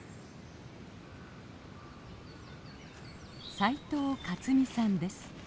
斉藤勝弥さんです。